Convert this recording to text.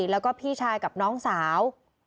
แล้วก็พี่ชายกับน้องสาว